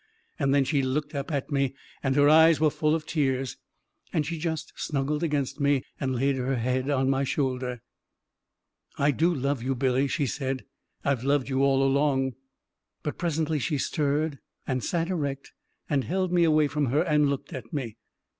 And then she looked up at me, and her eyes were full of tears, and she just snuggled against me and laid her head on my shoulder ..." I do love you, Billy," she said. " I've loved you all along! "... But presently she stirred and sat erect and held me away from her and looked at me.